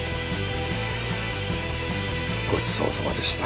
ごちそうさまでした。